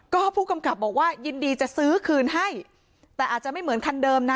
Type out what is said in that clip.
ก็ผู้กำกับบอกว่ายินดีจะซื้อคืนให้แต่อาจจะไม่เหมือนคันเดิมนะ